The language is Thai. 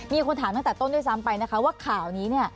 มีคนถามตั้งแต่ต้นด้วยซ้ำไปนะคะว่าข่าวนี้เนี่ย